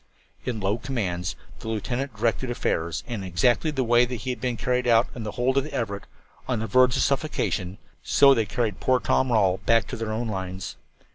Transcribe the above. In low commands the lieutenant then directed affairs, and in exactly the way that he had been carried out of the hold of the Everett on the verge of suffocation, so they carried poor Tom Rawle back to their own lines.